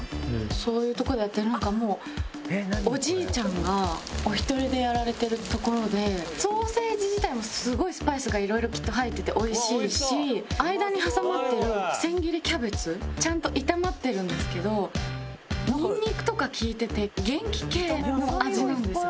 そういうとこでやってるなんかもうおじいちゃんがお一人でやられてるところでソーセージ自体もすごいスパイスが色々きっと入ってて美味しいし間に挟まってる千切りキャベツちゃんと炒まってるんですけどニンニクとか利いてて元気系の味なんですよ。